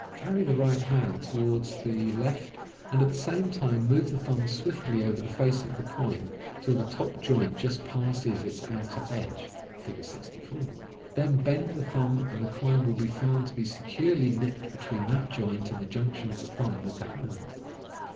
Carry the right hand towards the Fia 6$ 150 MODERN MAGIC. left, and at the same time move the thumb swiftly over the face of the coin till the top joint just passes its outer edge (see Fig. 64) ; then bend ihe thumb, and the coin will be found to be securely nipped between that joint and the junction of the thumb with the hand.